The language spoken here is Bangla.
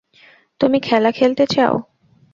তুমি খেলা খেলতে চাও?